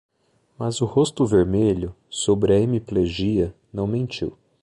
Mas o rosto vermelho, sobre a hemiplegia, não mentiu.